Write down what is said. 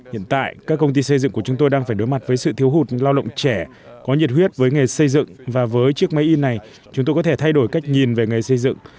hiện tại các công ty xây dựng của chúng tôi đang phải đối mặt với sự thiếu hụt lao động trẻ có nhiệt huyết với nghề xây dựng và với chiếc máy in này chúng tôi có thể thay đổi cách nhìn về nghề xây dựng